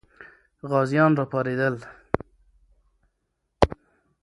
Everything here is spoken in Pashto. غازیان راپارېدل.